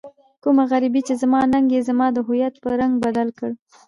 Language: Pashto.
کومه غريبي چې زما ننګ يې زما د هويت په رنګ بدل کړی.